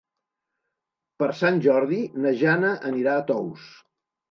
Per Sant Jordi na Jana anirà a Tous.